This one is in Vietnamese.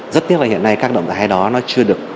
rất tiếc là hiện nay các động thái đó nó chưa được